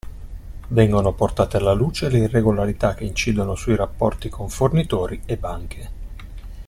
Vengono portate alla luce le irregolarità che incidono sui rapporti con fornitori e banche.